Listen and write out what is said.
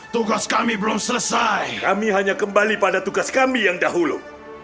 tugas kami belum selesai kami hanya kembali pada tugas kami yang dahulu